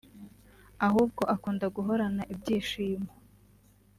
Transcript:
ahubwo akunda guhorana ibyishimo